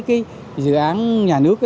cái dự án nhà nước